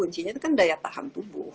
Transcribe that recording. kuncinya itu kan daya tahan tubuh